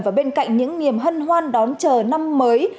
và bên cạnh những niềm hân hoan đón chờ năm mới